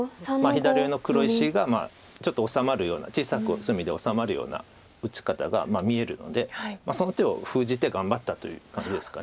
左上の黒石がちょっと治まるような小さく隅で治まるような打ち方が見えるのでその手を封じて頑張ったという感じですか